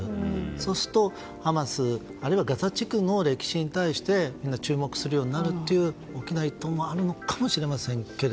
そうすると、ハマスあるいはガザ地区の歴史に対してみんな注目するようになるという意図もあるかもしれませんが。